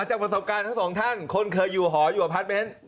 จากประสบการณ์ทั้งสองท่านคนเคยอยู่หออยู่อพาร์ทเมนต์